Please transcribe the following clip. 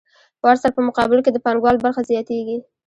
ورسره په مقابل کې د پانګوال برخه زیاتېږي